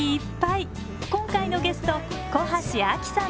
今回のゲスト小橋亜樹さんです。